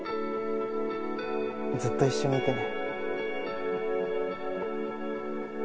ずっと一緒にいてね。